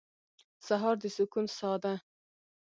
سهار د سکون ساه ده.